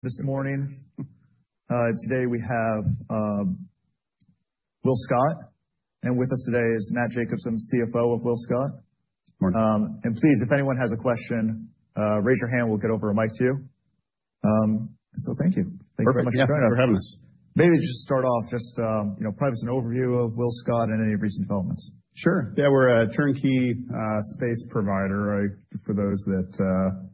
This morning, today we have WillScot, and with us today is Matt Jacobson, CFO of WillScot. Good morning. Please, if anyone has a question, raise your hand. We'll get over a mic to you. Thank you. Thank you very much for joining us. Thank you for having us. Maybe just start off, you know, probably just an overview of WillScot and any recent developments. Sure. Yeah, we're a turnkey space provider. For those that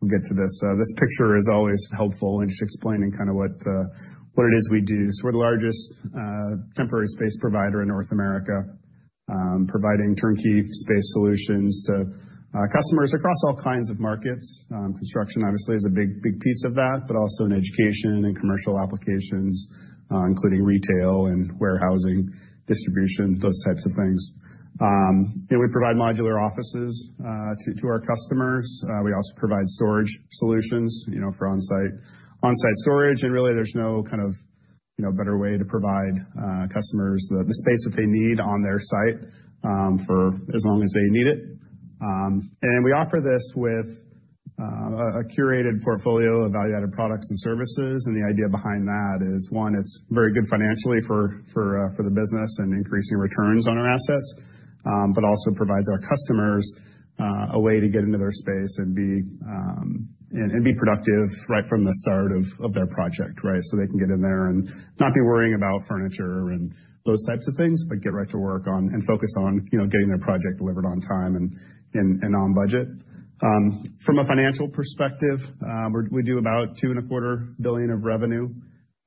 will get to this, this picture is always helpful in just explaining kind of what it is we do. So we're the largest temporary space provider in North America, providing turnkey space solutions to customers across all kinds of markets. Construction, obviously, is a big, big piece of that, but also in education and commercial applications, including retail and warehousing, distribution, those types of things. We provide modular offices to our customers. We also provide storage solutions, you know, for on-site storage. And really, there's no kind of, you know, better way to provide customers the space that they need on their site for as long as they need it. And we offer this with a curated portfolio of value-added products and services. The idea behind that is, one, it's very good financially for the business and increasing returns on our assets, but also provides our customers a way to get into their space and be productive right from the start of their project, right? So they can get in there and not be worrying about furniture and those types of things, but get right to work and focus on getting their project delivered on time and on budget. From a financial perspective, we do about $2.25 billion of revenue.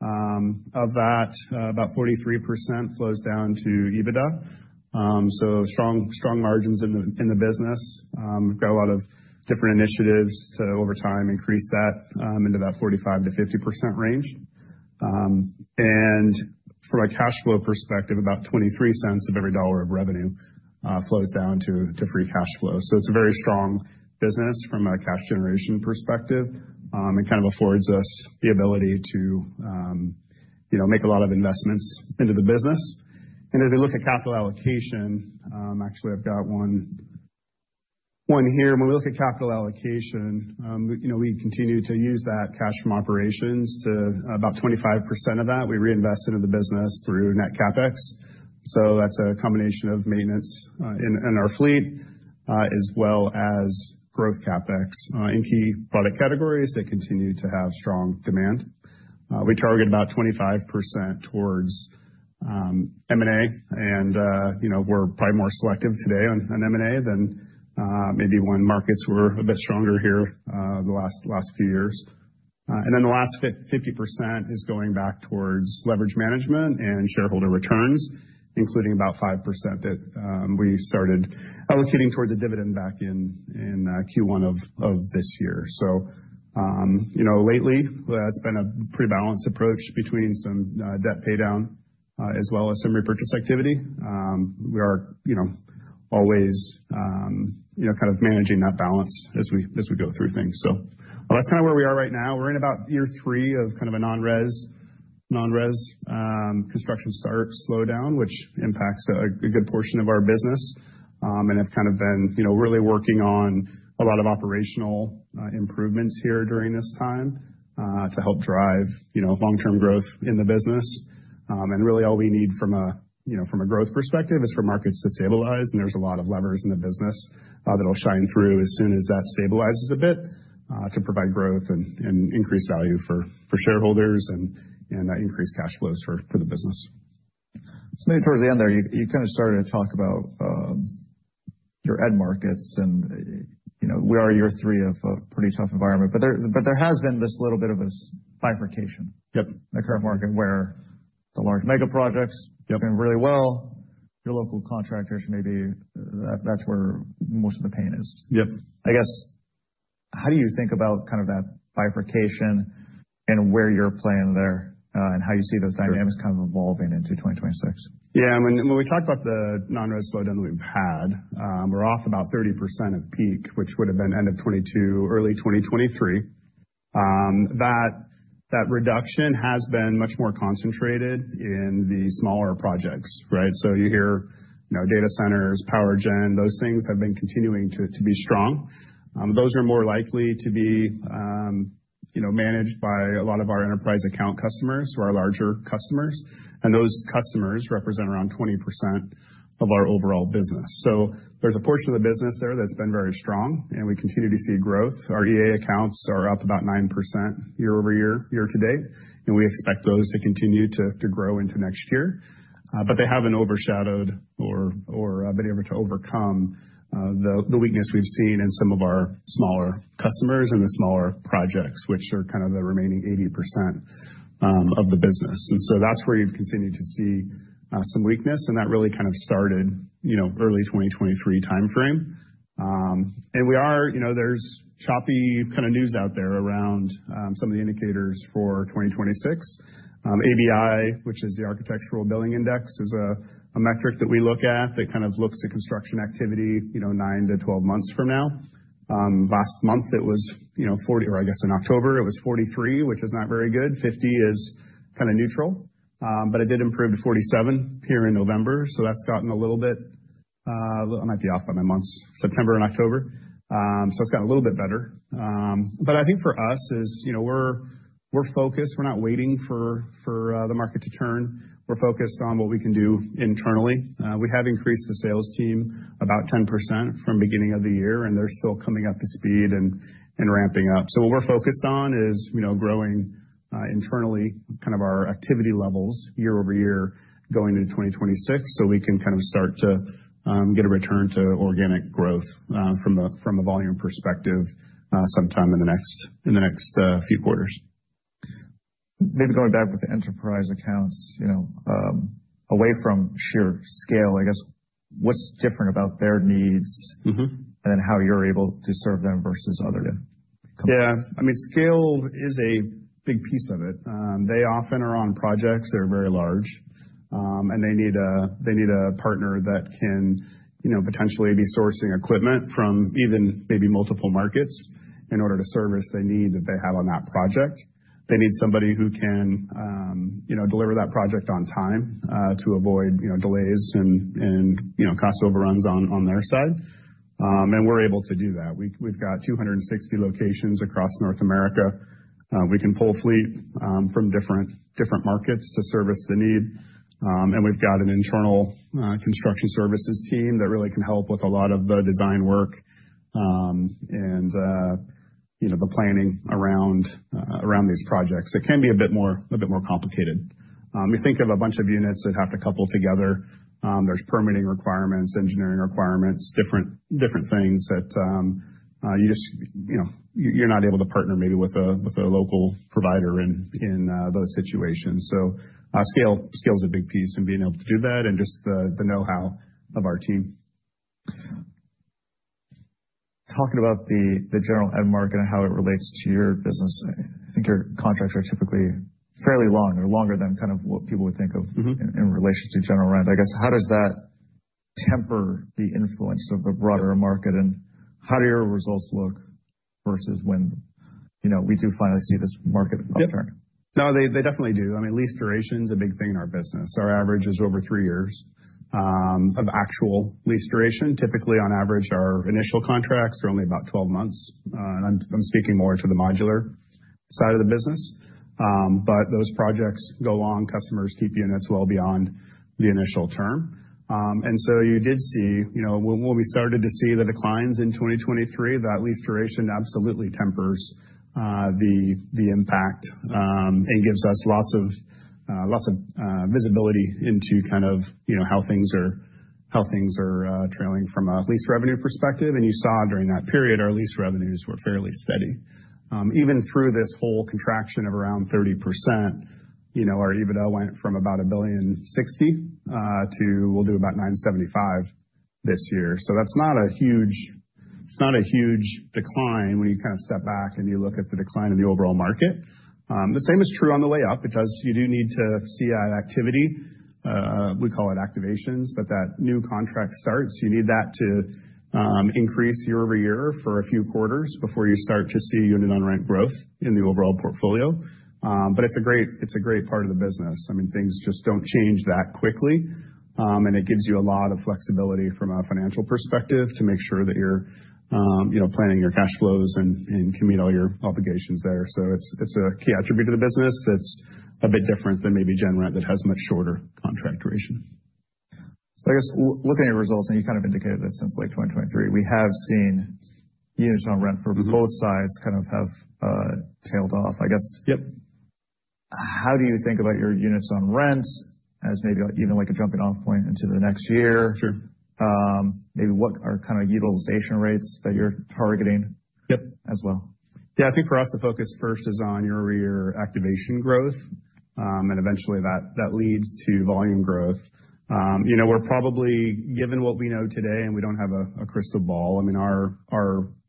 Of that, about 43% flows down to EBITDA. So strong margins in the business. We've got a lot of different initiatives to, over time, increase that into that 45%-50% range. And from a cash flow perspective, about $0.23 of every $1 of revenue flows down to free cash flow. So it's a very strong business from a cash generation perspective and kind of affords us the ability to, you know, make a lot of investments into the business. And as we look at capital allocation, actually, I've got one here. When we look at capital allocation, you know, we continue to use that cash from operations to about 25% of that. We reinvest into the business through net CapEx. So that's a combination of maintenance in our fleet as well as growth CapEx in key product categories that continue to have strong demand. We target about 25% towards M&A. And, you know, we're probably more selective today on M&A than maybe when markets were a bit stronger here the last few years. And then the last 50% is going back towards leverage management and shareholder returns, including about 5% that we started allocating towards a dividend back in Q1 of this year. So, you know, lately, that's been a pretty balanced approach between some debt paydown as well as some repurchase activity. We are, you know, always, you know, kind of managing that balance as we go through things. So, well, that's kind of where we are right now. We're in about year three of kind of a non-res construction start slowdown, which impacts a good portion of our business. And I've kind of been, you know, really working on a lot of operational improvements here during this time to help drive, you know, long-term growth in the business. And really, all we need from a, you know, from a growth perspective is for markets to stabilize. There's a lot of levers in the business that'll shine through as soon as that stabilizes a bit to provide growth and increase value for shareholders and increase cash flows for the business. So maybe towards the end there, you kind of started to talk about your end markets and, you know, we are year three of a pretty tough environment, but there has been this little bit of a bifurcation. Yep. In the current market where the large mega projects are doing really well, your local contractors, maybe that's where most of the pain is. Yep. I guess, how do you think about kind of that bifurcation and where you're playing there and how you see those dynamics kind of evolving into 2026? Yeah, I mean, when we talk about the non-res slowdown that we've had, we're off about 30% of peak, which would have been end of 2022, early 2023. That reduction has been much more concentrated in the smaller projects, right? So you hear, you know, data centers, power gen, those things have been continuing to be strong. Those are more likely to be, you know, managed by a lot of our enterprise account customers who are larger customers. And those customers represent around 20% of our overall business. So there's a portion of the business there that's been very strong, and we continue to see growth. Our EA accounts are up about 9% year-over-year year to date, and we expect those to continue to grow into next year. But they haven't overshadowed or been able to overcome the weakness we've seen in some of our smaller customers and the smaller projects, which are kind of the remaining 80% of the business. And so that's where you've continued to see some weakness. And that really kind of started, you know, early 2023 timeframe. And we are, you know, there's choppy kind of news out there around some of the indicators for 2026. ABI, which is the Architectural Billings Index, is a metric that we look at that kind of looks at construction activity, you know, 9-12 months from now. Last month, it was, you know, 40, or I guess in October, it was 43, which is not very good. 50 is kind of neutral, but it did improve to 47 here in November. So that's gotten a little bit. I might be off by my months, September and October. So it's gotten a little bit better. But I think for us is, you know, we're focused. We're not waiting for the market to turn. We're focused on what we can do internally. We have increased the sales team about 10% from beginning of the year, and they're still coming up to speed and ramping up. So what we're focused on is, you know, growing internally kind of our activity levels year-over-year going into 2026 so we can kind of start to get a return to organic growth from a volume perspective sometime in the next few quarters. Maybe going back with the enterprise accounts, you know, away from sheer scale, I guess, what's different about their needs and then how you're able to serve them versus other companies? Yeah. I mean, scale is a big piece of it. They often are on projects that are very large, and they need a partner that can, you know, potentially be sourcing equipment from even maybe multiple markets in order to service the need that they have on that project. They need somebody who can, you know, deliver that project on time to avoid, you know, delays and, you know, cost overruns on their side. And we're able to do that. We've got 260 locations across North America. We can pull fleet from different markets to service the need. And we've got an internal construction services team that really can help with a lot of the design work and, you know, the planning around these projects. It can be a bit more complicated. We think of a bunch of units that have to couple together. There's permitting requirements, engineering requirements, different things that you just, you know, you're not able to partner maybe with a local provider in those situations. So scale is a big piece in being able to do that and just the know-how of our team. Talking about the general rent market and how it relates to your business, I think your contracts are typically fairly long. They're longer than kind of what people would think of in relation to general rent. I guess, how does that temper the influence of the broader market and how do your results look versus when, you know, we do finally see this market upturn? Yeah. No, they definitely do. I mean, lease duration is a big thing in our business. Our average is over three years of actual lease duration. Typically, on average, our initial contracts are only about 12 months. I'm speaking more to the modular side of the business, but those projects go long. Customers keep units well beyond the initial term, and so you did see, you know, when we started to see the declines in 2023, that lease duration absolutely tempers the impact and gives us lots of visibility into kind of, you know, how things are trailing from a lease revenue perspective, and you saw during that period, our lease revenues were fairly steady. Even through this whole contraction of around 30%, you know, our EBITDA went from about $1.06 billion to, we'll do about $975 million this year. That's not a huge decline when you kind of step back and you look at the decline in the overall market. The same is true on the way up because you do need to see that activity. We call it activations, but that new contract starts, you need that to increase year-over-year for a few quarters before you start to see unit on rent growth in the overall portfolio. But it's a great part of the business. I mean, things just don't change that quickly, and it gives you a lot of flexibility from a financial perspective to make sure that you're, you know, planning your cash flows and can meet all your obligations there. It's a key attribute of the business that's a bit different than maybe general rent that has much shorter contract duration. So I guess looking at your results, and you kind of indicated this since late 2023, we have seen units on rent for both sides kind of have tailed off. I guess. Yep. How do you think about your units on rent as maybe even like a jumping off point into the next year? Sure. Maybe what are kind of utilization rates that you're targeting as well? Yeah, I think for us, the focus first is on your activation growth, and eventually that leads to volume growth. You know, we're probably, given what we know today, and we don't have a crystal ball. I mean, our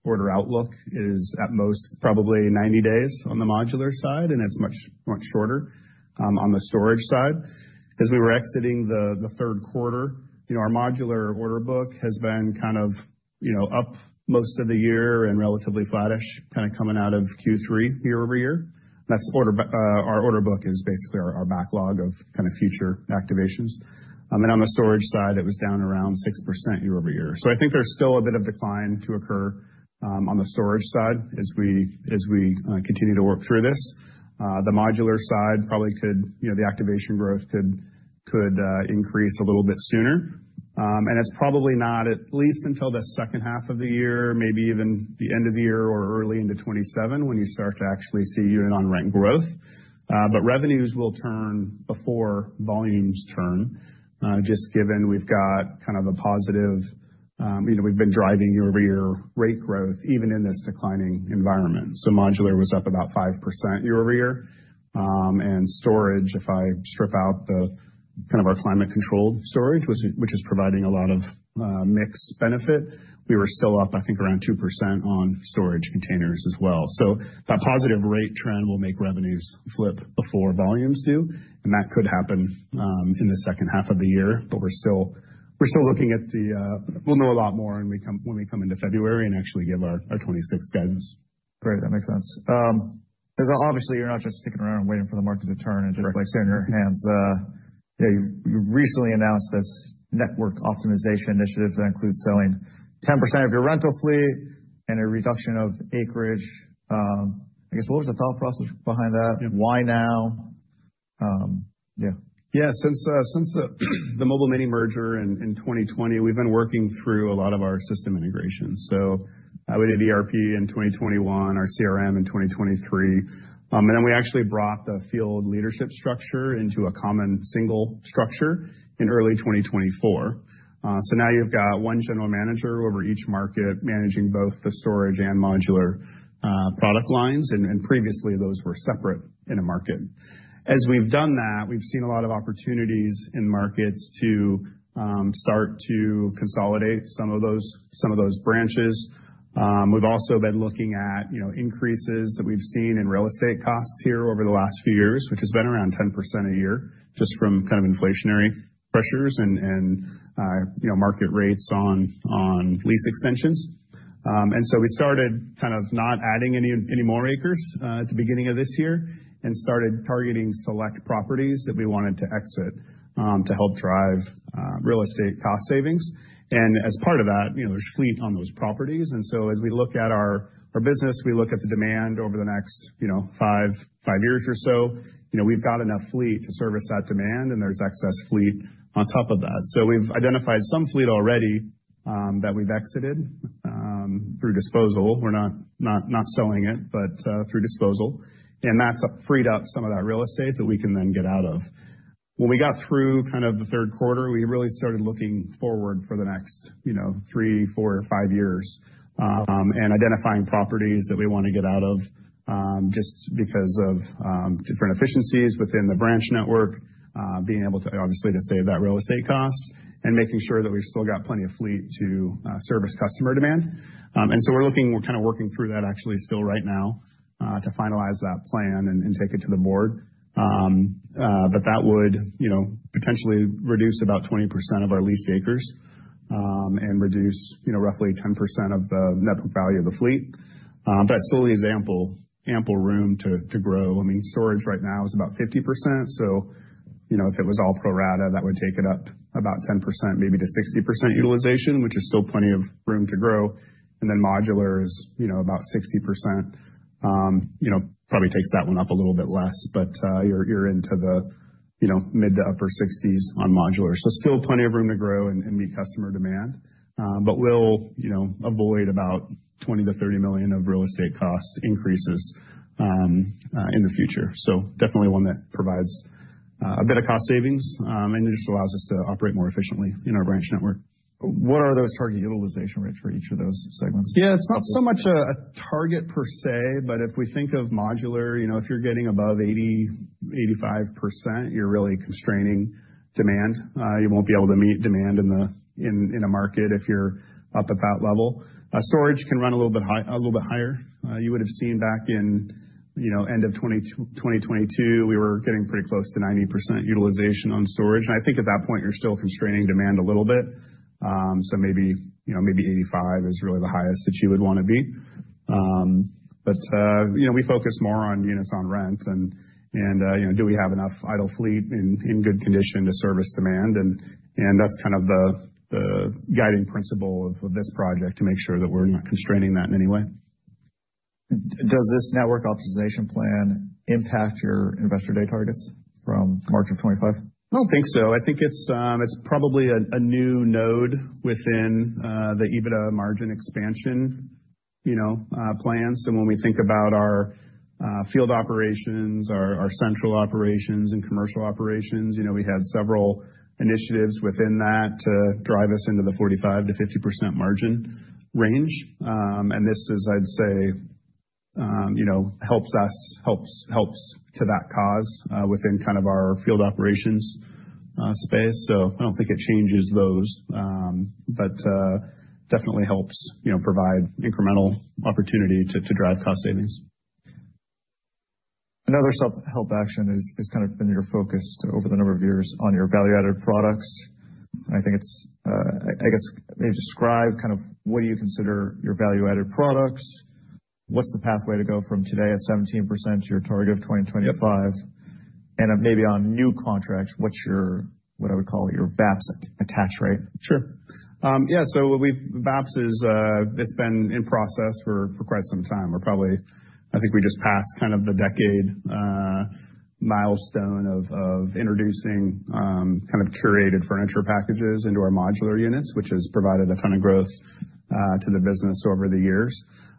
order outlook is at most probably 90 days on the modular side, and it's much shorter on the storage side. As we were exiting the third quarter, you know, our modular order book has been kind of, you know, up most of the year and relatively flattish, kind of coming out of Q3 year-over-year. That's our order book is basically our backlog of kind of future activations. And on the storage side, it was down around 6% year-over-year. So I think there's still a bit of decline to occur on the storage side as we continue to work through this. The modular side probably could, you know, the activation growth could increase a little bit sooner, and it's probably not, at least until the second half of the year, maybe even the end of the year or early into 2027 when you start to actually see units on rent growth, but revenues will turn before volumes turn, just given we've got kind of a positive, you know, we've been driving year-over-year rate growth even in this declining environment. So modular was up about 5% year-over-year, and storage, if I strip out the kind of our climate-controlled storage, which is providing a lot of mixed benefit, we were still up, I think, around 2% on storage containers as well, so that positive rate trend will make revenues flip before volumes do. And that could happen in the second half of the year, but we're still looking at the. We'll know a lot more when we come into February and actually give our 2026 guidance. Great. That makes sense. Because obviously, you're not just sticking around and waiting for the market to turn and just like sitting on your hands. Yeah, you've recently announced this network optimization initiative that includes selling 10% of your rental fleet and a reduction of acreage. I guess, what was the thought process behind that? Why now? Yeah. Yeah, since the Mobile Mini merger in 2020, we've been working through a lot of our system integration. So I would say ERP in 2021, our CRM in 2023. And then we actually brought the field leadership structure into a common single structure in early 2024. So now you've got one general manager over each market managing both the storage and modular product lines. And previously, those were separate in a market. As we've done that, we've seen a lot of opportunities in markets to start to consolidate some of those branches. We've also been looking at, you know, increases that we've seen in real estate costs here over the last few years, which has been around 10% a year just from kind of inflationary pressures and, you know, market rates on lease extensions. And so we started kind of not adding any more acres at the beginning of this year and started targeting select properties that we wanted to exit to help drive real estate cost savings. And as part of that, you know, there's fleet on those properties. And so as we look at our business, we look at the demand over the next, you know, five years or so, you know, we've got enough fleet to service that demand and there's excess fleet on top of that. So we've identified some fleet already that we've exited through disposal. We're not selling it, but through disposal. And that's freed up some of that real estate that we can then get out of. When we got through kind of the third quarter, we really started looking forward for the next, you know, three, four, five years and identifying properties that we want to get out of just because of different efficiencies within the branch network, being able to obviously save that real estate cost and making sure that we've still got plenty of fleet to service customer demand. And so we're looking, we're kind of working through that actually still right now to finalize that plan and take it to the board. But that would, you know, potentially reduce about 20% of our leased acres and reduce, you know, roughly 10% of the net value of the fleet. But it's still an ample room to grow. I mean, storage right now is about 50%. So, you know, if it was all pro rata, that would take it up about 10%, maybe to 60% utilization, which is still plenty of room to grow. And then modular is, you know, about 60%. You know, probably takes that one up a little bit less, but you're into the, you know, mid to upper 60s on modular. So still plenty of room to grow and meet customer demand. But we'll, you know, avoid about $20 million-$30 million of real estate cost increases in the future. So definitely one that provides a bit of cost savings and just allows us to operate more efficiently in our branch network. What are those target utilization rates for each of those segments? Yeah, it's not so much a target per se, but if we think of modular, you know, if you're getting above 80%-85%, you're really constraining demand. You won't be able to meet demand in a market if you're up at that level. Storage can run a little bit higher. You would have seen back in, you know, end of 2022, we were getting pretty close to 90% utilization on storage. And I think at that point, you're still constraining demand a little bit. So maybe, you know, maybe 85% is really the highest that you would want to be. But, you know, we focus more on units on rent and, you know, do we have enough idle fleet in good condition to service demand? And that's kind of the guiding principle of this project to make sure that we're not constraining that in any way. Does this network optimization plan impact your investor day targets from March of 2025? I don't think so. I think it's probably a new node within the EBITDA margin expansion, you know, plan. So when we think about our field operations, our central operations and commercial operations, you know, we had several initiatives within that to drive us into the 45%-50% margin range, and this is, I'd say, you know, helps us, helps to that cause within kind of our field operations space, so I don't think it changes those, but definitely helps, you know, provide incremental opportunity to drive cost savings. Another self-help action has kind of been your focus over the number of years on your value-added products. And I think it's, I guess, maybe describe kind of what do you consider your value-added products? What's the pathway to go from today at 17% to your target of 2025? And maybe on new contracts, what's your, what I would call your VAPS attach rate? Sure. Yeah. So VAPS, it's been in process for quite some time. We're probably, I think we just passed kind of the decade milestone of introducing kind of curated furniture packages into our modular units, which has provided a ton of growth to the business over the years.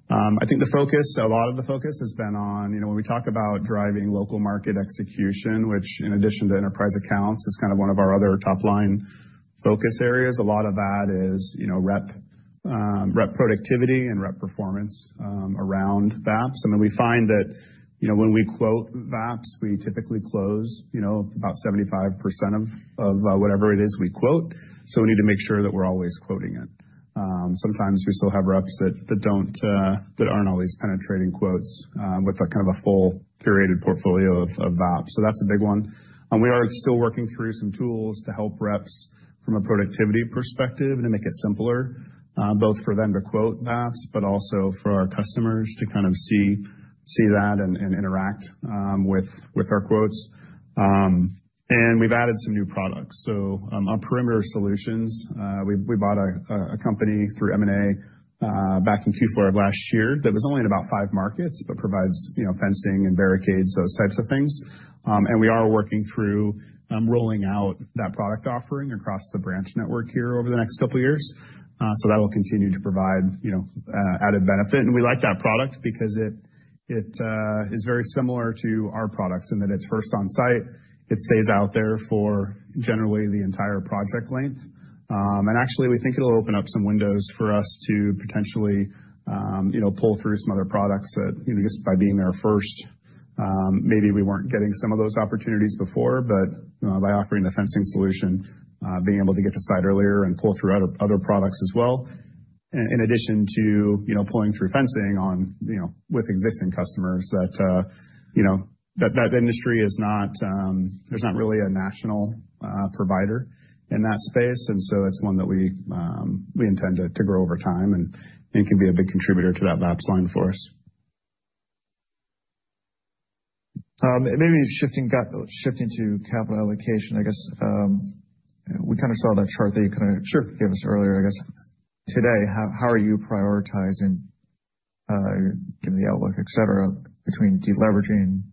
I think the focus, a lot of the focus has been on, you know, when we talk about driving local market execution, which in addition to enterprise accounts is kind of one of our other top line focus areas, a lot of that is, you know, rep productivity and rep performance around VAPS. And then we find that, you know, when we quote VAPS, we typically close, you know, about 75% of whatever it is we quote. So we need to make sure that we're always quoting it. Sometimes we still have reps that aren't always penetrating quotes with kind of a full curated portfolio of VAPS. So that's a big one. And we are still working through some tools to help reps from a productivity perspective and to make it simpler, both for them to quote VAPS, but also for our customers to kind of see that and interact with our quotes. And we've added some new products. So our perimeter solutions, we bought a company through M&A back in Q4 of last year that was only in about five markets, but provides, you know, fencing and barricades, those types of things. And we are working through rolling out that product offering across the branch network here over the next couple of years. So that'll continue to provide, you know, added benefit. And we like that product because it is very similar to our products in that it's first on site. It stays out there for generally the entire project length. And actually, we think it'll open up some windows for us to potentially, you know, pull through some other products that, you know, just by being there first, maybe we weren't getting some of those opportunities before, but by offering the fencing solution, being able to get to site earlier and pull through other products as well. In addition to, you know, pulling through fencing on, you know, with existing customers that, you know, that industry is not, there's not really a national provider in that space. And so it's one that we intend to grow over time and can be a big contributor to that VAPS line for us. Maybe shifting to capital allocation, I guess we kind of saw that chart that you kind of gave us earlier, I guess. Today, how are you prioritizing, given the outlook, etc between deleveraging,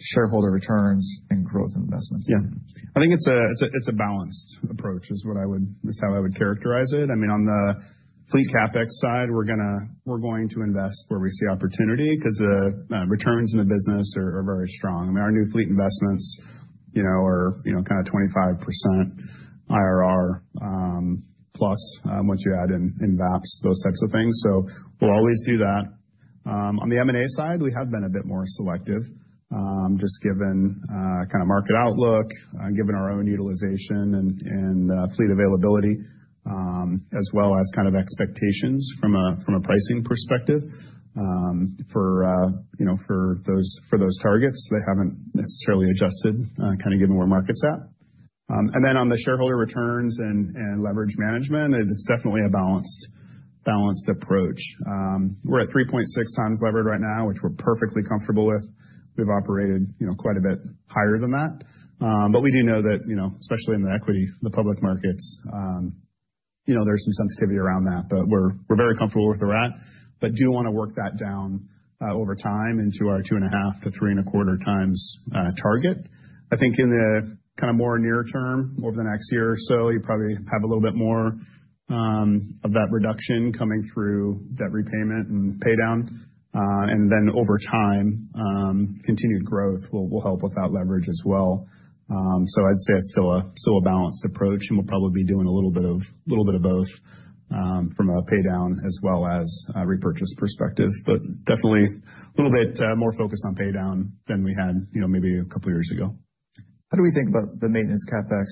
shareholder returns, and growth investments? Yeah. I think it's a balanced approach is what I would, is how I would characterize it. I mean, on the fleet CapEx side, we're going to invest where we see opportunity because the returns in the business are very strong. I mean, our new fleet investments, you know, are, you know, kind of 25% IRR plus once you add in VAPS, those types of things. So we'll always do that. On the M&A side, we have been a bit more selective just given kind of market outlook, given our own utilization and fleet availability, as well as kind of expectations from a pricing perspective for, you know, for those targets. They haven't necessarily adjusted kind of given where market's at. And then on the shareholder returns and leverage management, it's definitely a balanced approach. We're at 3.6 times leverage right now, which we're perfectly comfortable with. We've operated, you know, quite a bit higher than that, but we do know that, you know, especially in the equity, the public markets, you know, there's some sensitivity around that, but we're very comfortable with where we're at, but do want to work that down over time into our two and a half to three and a quarter times target. I think in the kind of more near term, over the next year or so, you probably have a little bit more of that reduction coming through debt repayment and pay down, and then over time, continued growth will help with that leverage as well. So I'd say it's still a balanced approach and we'll probably be doing a little bit of both from a pay down as well as repurchase perspective, but definitely a little bit more focus on pay down than we had, you know, maybe a couple of years ago. How do we think about the maintenance CapEx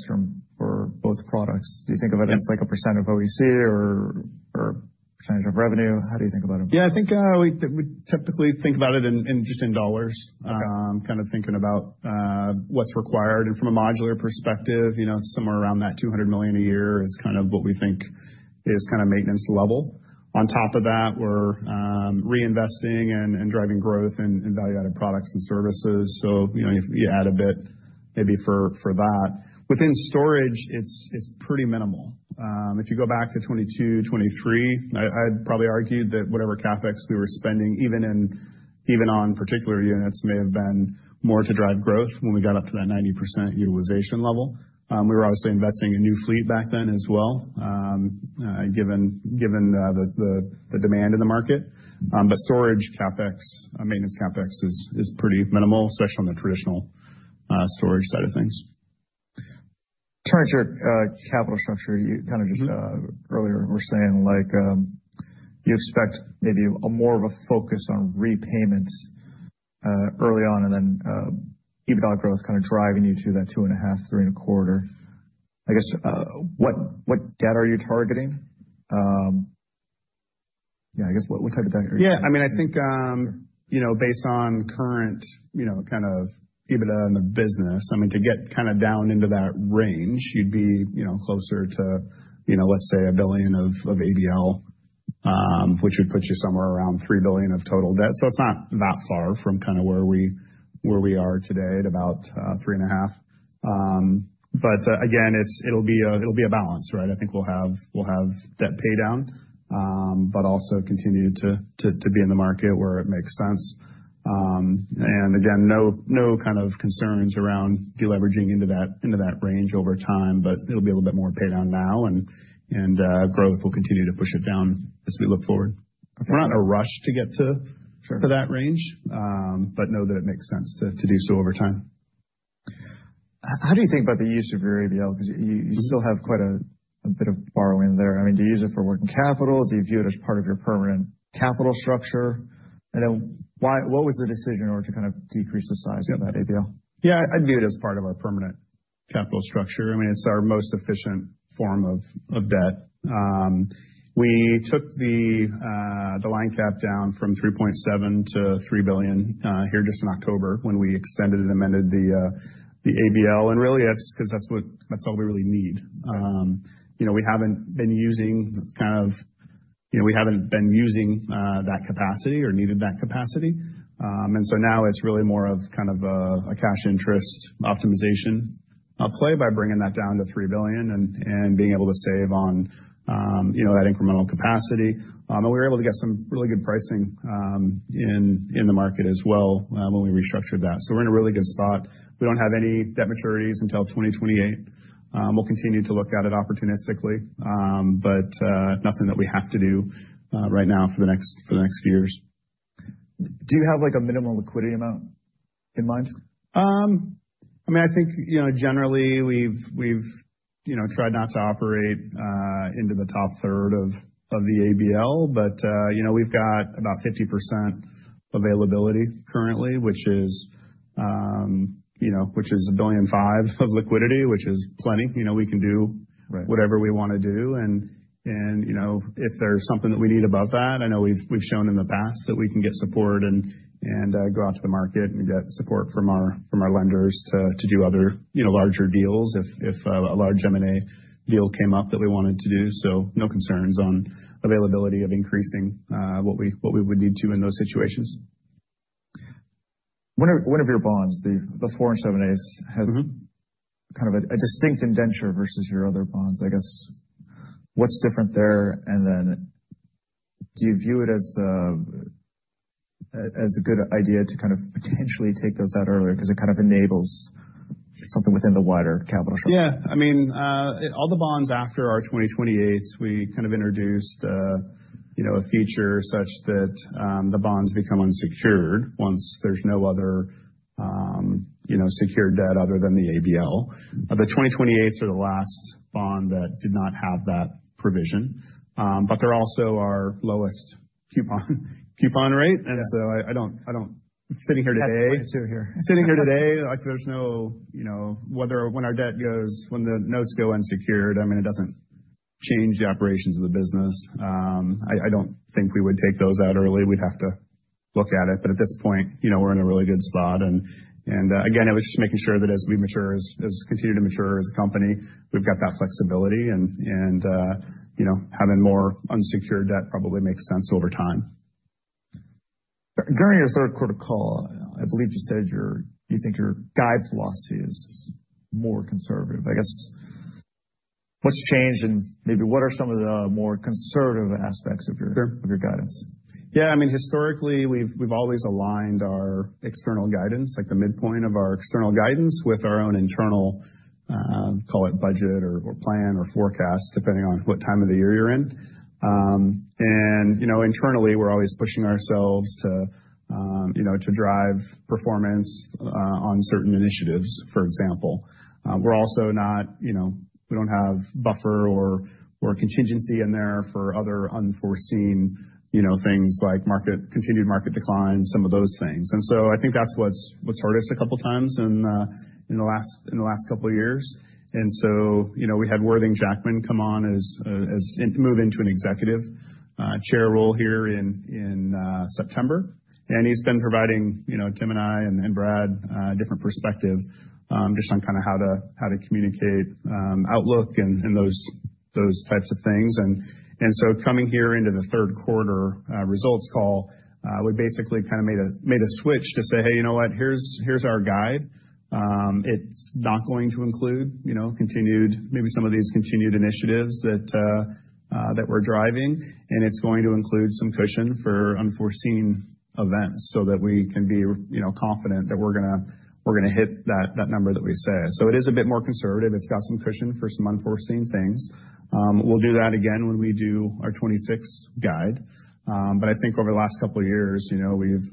for both products? Do you think of it as like a % of OEC or % of revenue? How do you think about it? Yeah, I think we typically think about it in just dollars, kind of thinking about what's required. And from a modular perspective, you know, it's somewhere around that $200 million a year is kind of what we think is kind of maintenance level. On top of that, we're reinvesting and driving growth in value-added products and services. So, you know, you add a bit maybe for that. Within storage, it's pretty minimal. If you go back to 2022, 2023, I'd probably argue that whatever CapEx we were spending, even on particular units, may have been more to drive growth when we got up to that 90% utilization level. We were obviously investing in new fleet back then as well, given the demand in the market. But storage CapEx, maintenance CapEx is pretty minimal, especially on the traditional storage side of things. Target capital structure, you kind of just earlier were saying like you expect maybe more of a focus on repayments early on and then EBITDA growth kind of driving you to that 2.5-3.25. I guess what debt are you targeting? Yeah, I guess what type of debt are you? Yeah, I mean, I think, you know, based on current, you know, kind of EBITDA in the business, I mean, to get kind of down into that range, you'd be, you know, closer to, you know, let's say $1 billion of ABL, which would put you somewhere around $3 billion of total debt. So it's not that far from kind of where we are today at about $3.5 billion. But again, it'll be a balance, right? I think we'll have debt pay down, but also continue to be in the market where it makes sense. And again, no kind of concerns around deleveraging into that range over time, but it'll be a little bit more pay down now and growth will continue to push it down as we look forward. We're not in a rush to get to that range, but know that it makes sense to do so over time. How do you think about the use of your ABL? Because you still have quite a bit of borrowing there. I mean, do you use it for working capital? Do you view it as part of your permanent capital structure? And then what was the decision in order to kind of decrease the size of that ABL? Yeah, I view it as part of our permanent capital structure. I mean, it's our most efficient form of debt. We took the line cap down from $3.7 billion-$3 billion here just in October when we extended and amended the ABL, and really it's because that's all we really need. You know, we haven't been using kind of, you know, we haven't been using that capacity or needed that capacity, and so now it's really more of kind of a cash interest optimization play by bringing that down to $3 billion and being able to save on, you know, that incremental capacity, and we were able to get some really good pricing in the market as well when we restructured that, so we're in a really good spot. We don't have any debt maturities until 2028. We'll continue to look at it opportunistically, but nothing that we have to do right now for the next few years. Do you have like a minimal liquidity amount in mind? I mean, I think, you know, generally we've, you know, tried not to operate into the top third of the ABL, but, you know, we've got about 50% availability currently, which is, you know, which is $1.5 billion of liquidity, which is plenty. You know, we can do whatever we want to do. And, you know, if there's something that we need above that, I know we've shown in the past that we can get support and go out to the market and get support from our lenders to do other, you know, larger deals if a large M&A deal came up that we wanted to do. So no concerns on availability of increasing what we would need to in those situations. One of your bonds, the four and seven eighths, has kind of a distinct indenture versus your other bonds. I guess what's different there? And then do you view it as a good idea to kind of potentially take those out earlier because it kind of enables something within the wider capital structure? Yeah. I mean, all the bonds after our 2028s, we kind of introduced, you know, a feature such that the bonds become unsecured once there's no other, you know, secured debt other than the ABL. The 2028s are the last bond that did not have that provision, but they're also our lowest coupon rate. And so I don't, sitting here today, like there's no, you know, when our debt goes, when the notes go unsecured, I mean, it doesn't change the operations of the business. I don't think we would take those out early. We'd have to look at it. But at this point, you know, we're in a really good spot. And again, it was just making sure that as we mature, as we continue to mature as a company, we've got that flexibility and, you know, having more unsecured debt probably makes sense over time. During your third quarter call, I believe you said you think your guidance philosophy is more conservative. I guess what's changed and maybe what are some of the more conservative aspects of your guidance? Yeah. I mean, historically, we've always aligned our external guidance, like the midpoint of our external guidance with our own internal, call it budget or plan or forecast, depending on what time of the year you're in. And, you know, internally, we're always pushing ourselves to, you know, to drive performance on certain initiatives, for example. We're also not, you know, we don't have buffer or contingency in there for other unforeseen, you know, things like market, continued market decline, some of those things. And so I think that's what's hurt us a couple of times in the last couple of years. And so, you know, we had Worthing Jackman come on as, move into an executive chairman role here in September. And he's been providing, you know, Tim and I and Brad different perspective just on kind of how to communicate outlook and those types of things. And so coming here into the third quarter results call, we basically kind of made a switch to say, hey, you know what, here's our guide. It's not going to include, you know, continued, maybe some of these continued initiatives that we're driving. And it's going to include some cushion for unforeseen events so that we can be, you know, confident that we're going to hit that number that we say. So it is a bit more conservative. It's got some cushion for some unforeseen things. We'll do that again when we do our 2026 guide. But I think over the last couple of years, you know, we've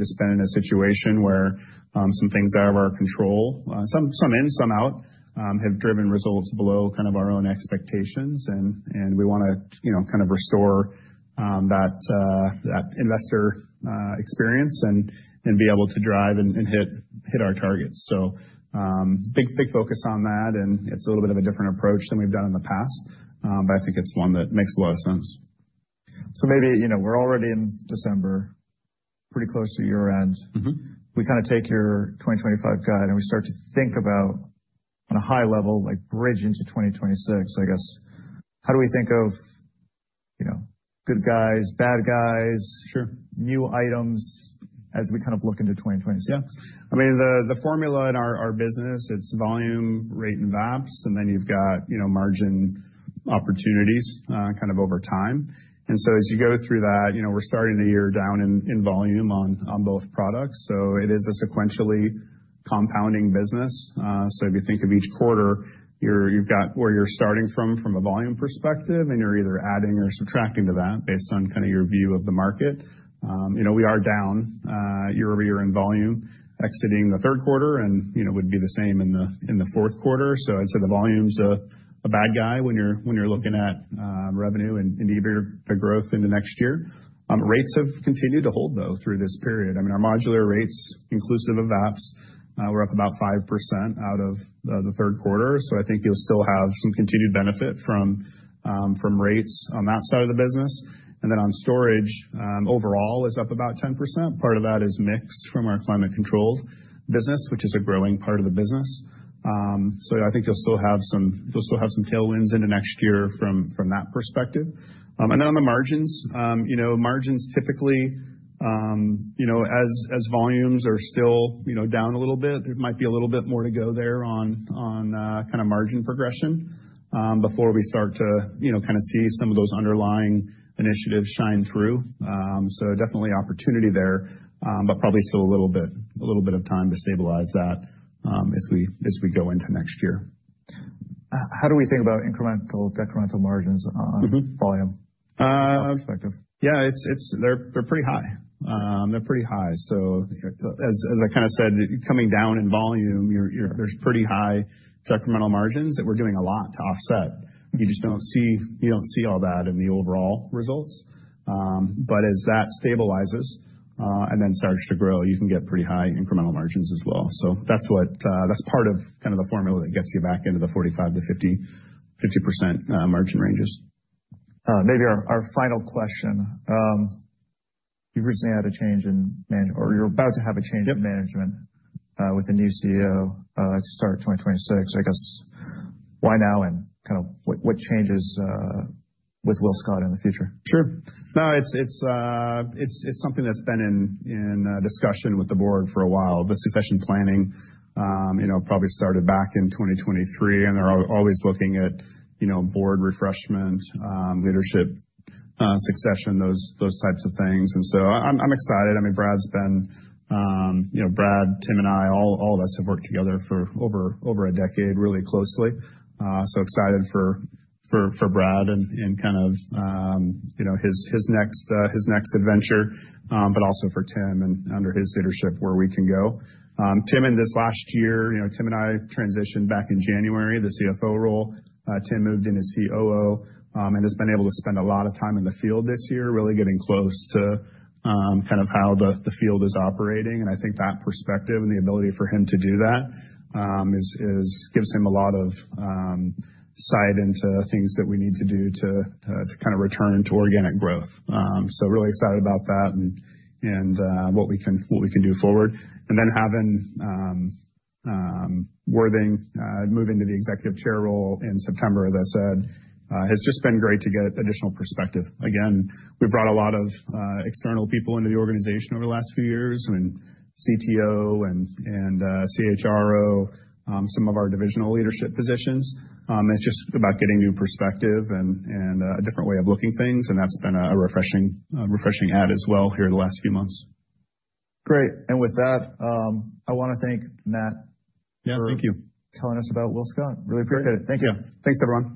just been in a situation where some things out of our control, some in, some out, have driven results below kind of our own expectations. And we want to, you know, kind of restore that investor experience and be able to drive and hit our targets. So big focus on that. And it's a little bit of a different approach than we've done in the past, but I think it's one that makes a lot of sense. So maybe, you know, we're already in December, pretty close to year-end. We kind of take your 2025 guide and we start to think about on a high level, like bridge into 2026, I guess. How do we think of, you know, good guys, bad guys, new items as we kind of look into 2026? Yeah. I mean, the formula in our business, it's volume, rate, and VAPS. And then you've got, you know, margin opportunities kind of over time. And so as you go through that, you know, we're starting the year down in volume on both products. So it is a sequentially compounding business. So if you think of each quarter, you've got where you're starting from, from a volume perspective, and you're either adding or subtracting to that based on kind of your view of the market. You know, we are down year-over-year in volume, exiting the third quarter, and, you know, would be the same in the fourth quarter. So I'd say the volume's a bad guy when you're looking at revenue and even the growth into next year. Rates have continued to hold though through this period. I mean, our modular rates, inclusive of VAPS, we're up about 5% out of the third quarter, so I think you'll still have some continued benefit from rates on that side of the business, and then on storage, overall is up about 10%. Part of that is mixed from our climate-controlled business, which is a growing part of the business. So I think you'll still have some tailwinds into next year from that perspective, and then on the margins, you know, margins typically, you know, as volumes are still, you know, down a little bit, there might be a little bit more to go there on kind of margin progression before we start to, you know, kind of see some of those underlying initiatives shine through. So definitely opportunity there, but probably still a little bit of time to stabilize that as we go into next year. How do we think about incremental, decremental margins on volume perspective? Yeah, they're pretty high. They're pretty high. So as I kind of said, coming down in volume, there's pretty high decremental margins that we're doing a lot to offset. You just don't see all that in the overall results. But as that stabilizes and then starts to grow, you can get pretty high incremental margins as well. So that's part of kind of the formula that gets you back into the 45%-50% margin ranges. Maybe our final question. You've recently had a change in management or you're about to have a change in management with a new CEO to start 2026. I guess why now and kind of what changes with WillScot in the future? Sure. No, it's something that's been in discussion with the board for a while. The succession planning, you know, probably started back in 2023, and they're always looking at, you know, board refreshment, leadership succession, those types of things, and so I'm excited. I mean, Brad's been, you know, Brad, Tim and I, all of us have worked together for over a decade really closely, so excited for Brad and kind of, you know, his next adventure, but also for Tim and under his leadership where we can go. Tim, and this last year, you know, Tim and I transitioned back in January, the CFO role. Tim moved in as COO and has been able to spend a lot of time in the field this year, really getting close to kind of how the field is operating. And I think that perspective and the ability for him to do that gives him a lot of sight into things that we need to do to kind of return to organic growth. So really excited about that and what we can do forward. And then having Worthing move into the executive chair role in September, as I said, has just been great to get additional perspective. Again, we brought a lot of external people into the organization over the last few years. I mean, CTO and CHRO, some of our divisional leadership positions. It's just about getting new perspective and a different way of looking things. And that's been a refreshing add as well here the last few months. Great, and with that, I want to thank Matt for telling us about WillScot. Really appreciate it. Thank you. Thanks, everyone.